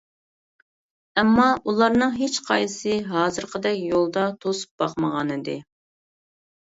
ئەمما ئۇلارنىڭ ھېچقايسىسى ھازىرقىدەك يولدا توسۇپ باقمىغانىدى.